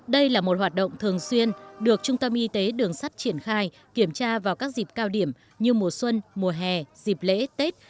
đây là một hoạt động thường xuyên được trung tâm y tế đường sắt triển khai kiểm tra vào các dịp cao điểm như mùa xuân mùa hè dịp lễ tết